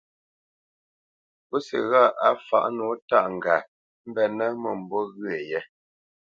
Pǔsi ghâʼ á fǎʼ nǒ tâʼ ŋgap mbenə́ mə̂mbû ghyə̂ yé.